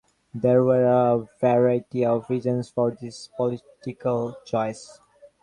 There were a variety of reasons for this political choice.